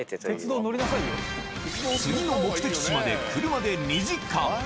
次の目的地まで車で２時間。